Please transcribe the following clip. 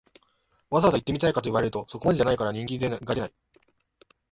わざわざ行ってみたいかと言われると、そこまでじゃないから人気が出ない